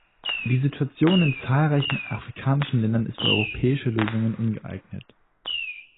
Die Situation in zahlreichen afrikanischen Ländern ist für europäische Lösungen ungeeignet.